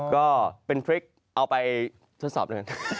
ก็เป็นทริคเอาไปทดสอบด้วย